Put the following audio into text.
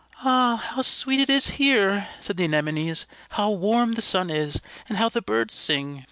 "Ah, how sweet it is here!" said the Anemones. "How warm the sun is, and how the birds sing!